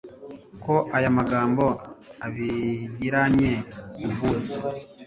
ko aya magambo, abigiranye ubwuzu